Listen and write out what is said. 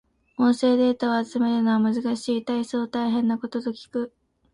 音声データを集めるのは難しい。大層大変なことと聞く。